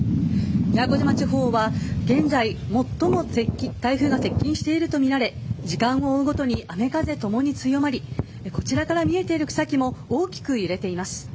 宮古島地方は現在最も台風が接近しているとみられ時間を追うごとに雨風ともに強まりこちらから見えている草木も大きく揺れています。